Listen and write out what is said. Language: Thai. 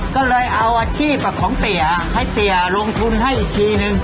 ก็เลยเอาอาชีพของเตี๋ยให้เตี๋ยลงทุนให้อีกทีนึง